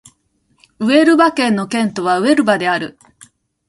ウエルバ県の県都はウエルバである